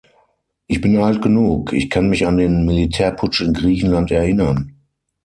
Ich bin alt genug, ich kann mich an den Militärputsch in Griechenland erinnern.